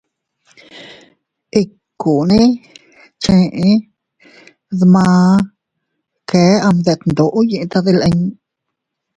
Ikkune cheʼe mdaʼa, kee am detndoʼo yiʼi tadilin.